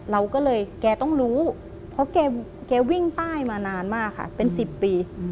เราก็เลยแกต้องรู้เพราะแกวิ่งใต้มานานมากค่ะเป็น๑๐ปี